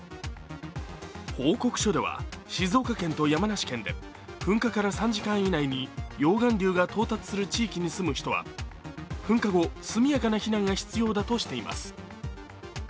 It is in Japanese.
報告書では、静岡県と山梨県で噴火から３時間以内に溶岩流が到達する地域に住む人は、噴火後、速やかな避難が必要だとしています。